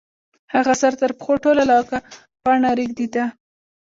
هغه سر تر پښو ټوله لکه پاڼه رېږدېده.